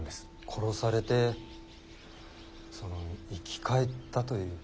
殺されてその生き返ったという？